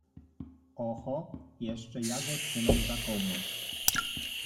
— Oho, jeszcze ja go trzymam za kołnierz!